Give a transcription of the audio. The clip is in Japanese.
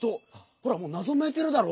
ほらもうなぞめいてるだろう？